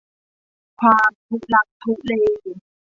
ความทุลักทุเล